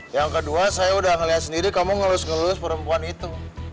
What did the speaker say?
yang kedua saya udah ngelihat sendiri kamu ngelus ngelus perempuan itu